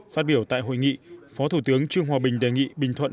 phát biểu tại hội nghị phó thủ tướng trương hòa bình đề nghị bình thuận